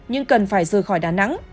nhưng cần phải rời khỏi đà nẵng